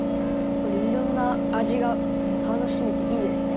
いろんなあじが楽しめていいですね。